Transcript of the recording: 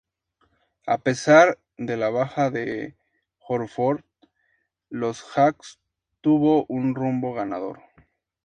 A pesar de la baja de Horford los Hawks tuvo un rumbo ganador.